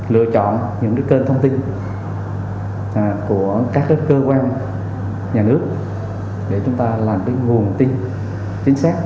lựa chọn những kênh thông tin của các cơ quan nhà nước để chúng ta làm cái nguồn tin chính xác